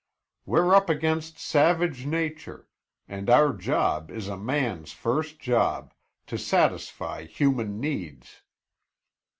We're up against savage Nature and our job is a man's first job, to satisfy human needs.